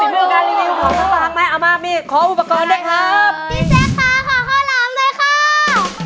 ดูฝีมือการรีวิวของข้าวลามไหมเอามามีขออุปกรณ์ด้วยครับ